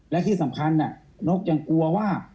และที่สำคัญนกยังกลัวว่า